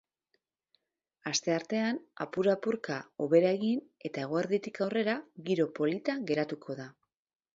Asteartean apurka-apurka hobera egin eta eguerditik aurrera giro polita geratuko da.